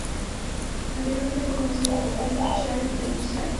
Anteriormente fue conocido como Preston San y Tokyo Shawn.